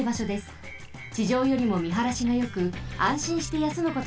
ちじょうよりもみはらしがよくあんしんしてやすむことができます。